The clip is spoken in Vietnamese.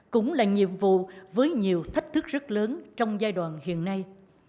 cũng là nhiệm vụ với nhiều thách thức rất lớn trong giai đoạn hiện nay